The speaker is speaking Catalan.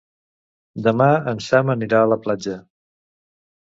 Demà en Sam anirà a la platja.